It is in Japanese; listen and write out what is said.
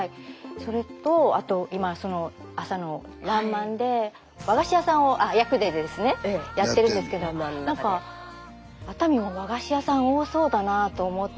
それとあと今朝の「らんまん」で和菓子屋さんを役でやってるんですけどなんか熱海も和菓子屋さん多そうだなと思って。